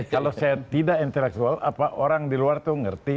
kalau saya tidak intelektual apa orang di luar itu ngerti